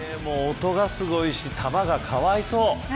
音がすごいし、球がかわいそう。